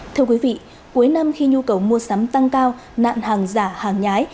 thưa quý vị cuối năm khi nhu cầu mua sắm tăng cao nạn hàng giả hàng nhái